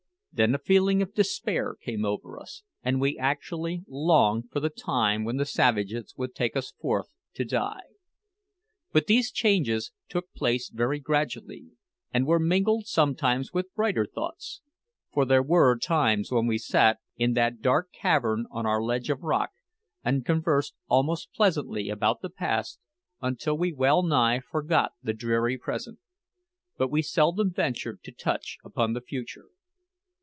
Then a feeling of despair came over us, and we actually longed for the time when the savages would take us forth to die. But these changes took place very gradually, and were mingled sometimes with brighter thoughts; for there were times when we sat, in that dark cavern on our ledge of rock, and conversed almost pleasantly about the past until we well nigh forgot the dreary present. But we seldom ventured to touch upon the future.